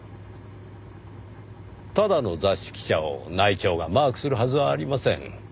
ただの雑誌記者を内調がマークするはずはありません。